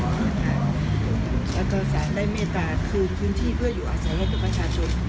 แล้วก็สารได้เมตตาคืนพื้นที่เพื่ออยู่อาศัยให้กับประชาชน